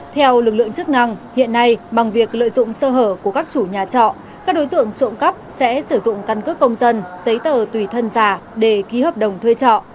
theo lực lượng chức năng hiện nay bằng việc lợi dụng sơ hở của các chủ nhà trọ các đối tượng trộm cắp sẽ sử dụng căn cước công dân giấy tờ tùy thân giả để ký hợp đồng thuê trọ